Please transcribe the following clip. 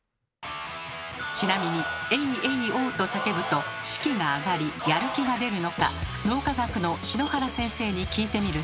ちなみに「エイエイオー」と叫ぶと士気が上がりやる気が出るのか脳科学の篠原先生に聞いてみると。